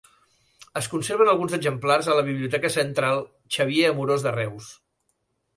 Es conserven alguns exemplars a la Biblioteca Central Xavier Amorós de Reus.